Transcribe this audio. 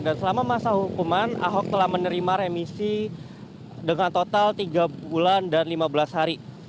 dan selama masa hukuman ahok telah menerima remisi dengan total tiga bulan dan lima belas hari